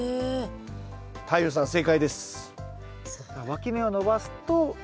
太陽さん正解です。